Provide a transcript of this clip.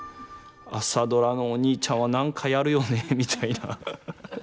「朝ドラ」のお兄ちゃんは何かやるよねみたいな。